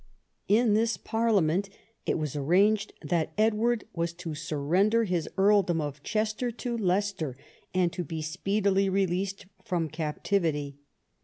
In this Parliament it was arranged that Edward was to surrender his earldom of Chester to Leicester and to be speedily released from captivity.